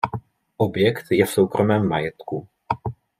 Objekt je v soukromém majetku.